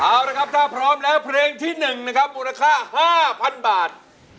เอาละครับถ้าพร้อมแล้วเพลงที่๑นะครับมูลค่า๕๐๐๐บาท